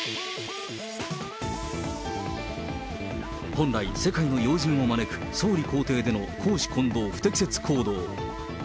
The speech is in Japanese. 本来、世界の要人を招く総理公邸での公私混同不適切行動。